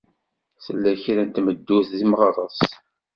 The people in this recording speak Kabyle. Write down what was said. Tella kra n tmeddurt deg Meɣres?